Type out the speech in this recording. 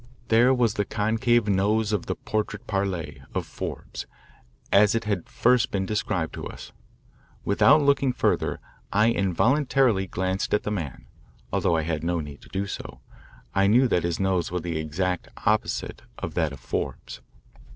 There was the concave nose of the "portrait parle" " of Forbes, as it had first been described to us. Without looking further I involuntarily glanced at the man, although I had no need to do so. I knew that his nose was the exact opposite of that of Forbes.